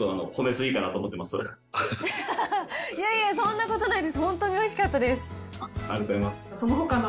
いやいや、そんなことないです。